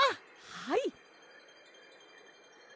はい！